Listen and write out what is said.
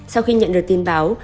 sau khi nhận được tin báo